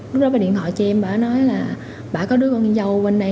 lúc đó bà điện thoại cho em bà nói là bà có đứa con dâu bên đây